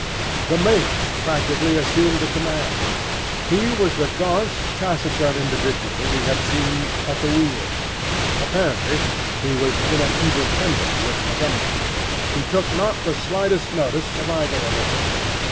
The mate practically assumed the command. He was the gaunt, taciturn individual we had seen at the wheel. Apparently he was in an evil temper with Montgomery. He took not the slightest notice of either of us.